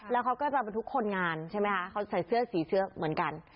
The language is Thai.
แล้วเขาก็จะบรรทุกคนงานใช่ไหมคะเขาใส่เสื้อสีเสื้อเหมือนกัน